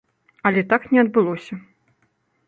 Але так не адбылося.